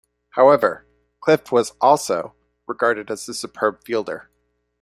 However, Clift was also regarded as a superb fielder.